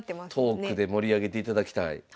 トークで盛り上げていただきたい。